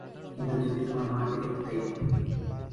কিন্তু যদি তোমার মা-কে দেখতে!